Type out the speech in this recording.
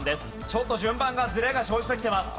ちょっと順番がずれが生じてきてます。